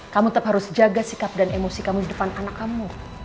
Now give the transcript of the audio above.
kamu tetap harus jaga sikap dan emosi kamu di depan anak kamu